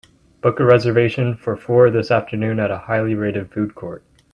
Book a reservation for four this Afternoon at a highly rated food court